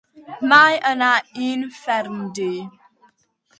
Mae yna un ffermdy.